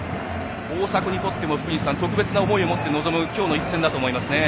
大迫にとっても特別な思いを持って臨む今日の一戦だと思いますね。